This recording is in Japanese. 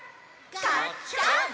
ガッチャン！